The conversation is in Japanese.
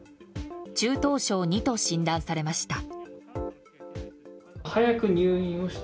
中等症２と診断されました。